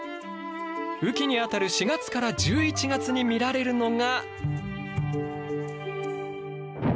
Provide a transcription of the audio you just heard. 雨期にあたる４月から１１月に見られるのが。